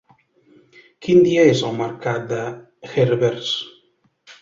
Quin dia és el mercat de Herbers?